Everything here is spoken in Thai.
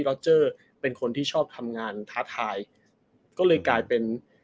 รอเจอร์เป็นคนที่ชอบทำงานท้าทายก็เลยกลายเป็น